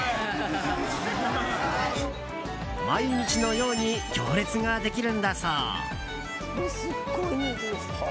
毎日のように行列ができるのだそう。